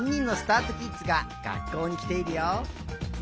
あとキッズががっこうにきているよ。